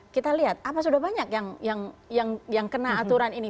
kita lihat apa sudah banyak yang kena aturan ini